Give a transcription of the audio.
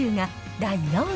第４位。